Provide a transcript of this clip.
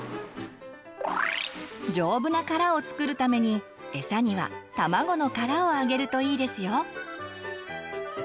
丈夫な殻を作るためにエサにはたまごの殻をあげるといいですよ！